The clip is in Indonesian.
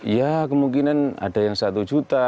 ya kemungkinan ada yang satu juta